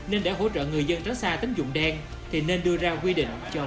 nên để hỗ trợ người dân tránh xa tính dụng đen thì nên đưa ra quy định cho bay dí chuẩn